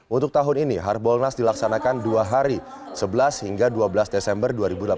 untuk tahun ini harbolnas dilaksanakan dua hari sebelas hingga dua belas desember dua ribu delapan belas